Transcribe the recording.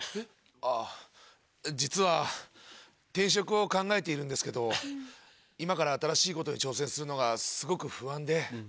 あぁ実は転職を考えているんですけど今から新しいことに挑戦するのがすごく不安で。